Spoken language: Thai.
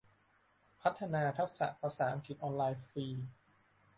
พัฒนาทักษะภาษาอังกฤษออนไลน์ฟรี